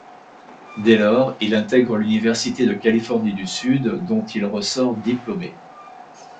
Dès lors, il intègre l'université de Californie du Sud dont il ressort diplômé.